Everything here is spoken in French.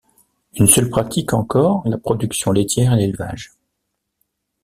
Une seule pratique encore la production laitière et l'élevage.